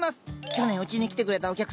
去年うちに来てくれたお客さん